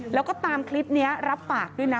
แล้วก็ตามคลิปนี้รับปากด้วยนะ